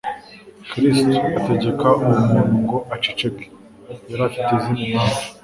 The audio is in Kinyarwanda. Kristo ategeka uwo muntu ngo aceceke, yari afite izindi mpamvu.